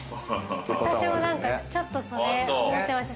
私もちょっとそれ思ってました。